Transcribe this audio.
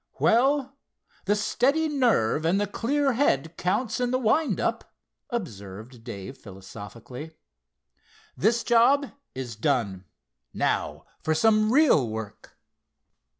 "Well, the steady nerve and the clear head counts in the wind up," observed Dave philosophically. "This job is done. Now for some real work."